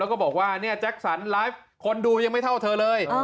แล้วก็บอกว่าแจ็คสันคนดูยังไม่เท่าเธอเลย